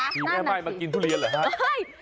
ผีแม่ม่ายมากินทุเรียนเหรอฮะ